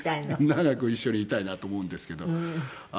長く一緒にいたいなと思うんですけど。